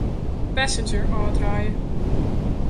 Passenger ôfdraaie.